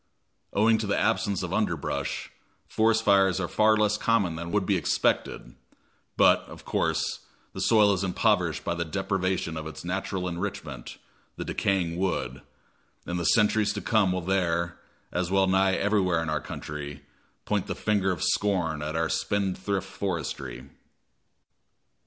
Owing to the absence of underbrush, forest fires are far less common than would be expected; but, of course, the soil is impoverished by the deprivation of its natural enrichment, the decaying wood, and the centuries to come will there, as well nigh everywhere in our country, point the finger of scorn at our spendthrift forestry.